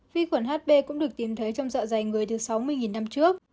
vi khuẩn hp cũng được tìm thấy trong dạ dày người từ sáu mươi năm trước